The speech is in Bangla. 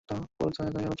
পুরো দেহতল হলদে-সবুজ।